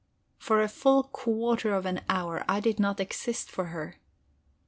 For a full quarter of an hour I did not exist for her.